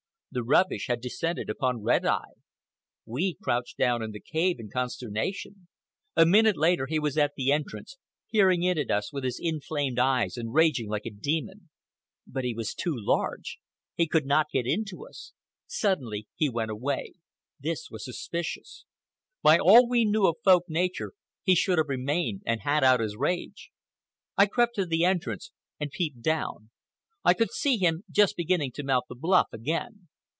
The rubbish had descended upon Red Eye. We crouched down in the cave in consternation. A minute later he was at the entrance, peering in at us with his inflamed eyes and raging like a demon. But he was too large. He could not get in to us. Suddenly he went away. This was suspicious. By all we knew of Folk nature he should have remained and had out his rage. I crept to the entrance and peeped down. I could see him just beginning to mount the bluff again.